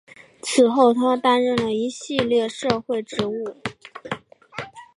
此后他担任了一系列社会职务。